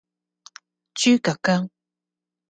豬腳薑